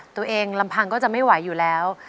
ลำพังก็จะไม่ไหวอยู่แล้ว